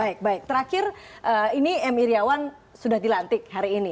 baik baik terakhir ini m iryawan sudah dilantik hari ini